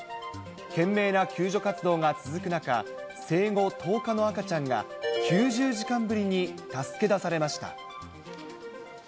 懸命な救助活動が続く中、生後１０日の赤ちゃんが９０時間ぶりに助け出されました。